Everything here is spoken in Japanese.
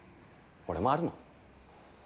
俺もあるもん。